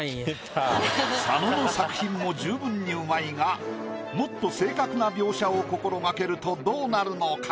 佐野の作品も十分にうまいがもっと正確な描写を心がけるとどうなるのか？